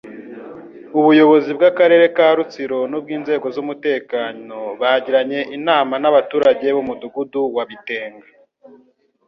Ubuyobozi bw'Akarere ka Rutsiro n'ubw'inzego z'umutekano bagiranye inama n'abaturage b'Umudugudu wa Bitenga